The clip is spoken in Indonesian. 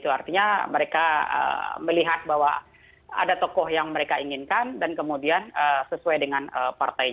artinya mereka melihat bahwa ada tokoh yang mereka inginkan dan kemudian sesuai dengan partai